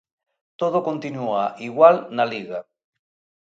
Todo continúa igual na Liga.